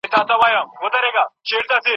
ښځه په خپل زوړ چادر کې پټه ناسته وه.